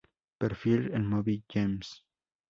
Perfil en Moby Games.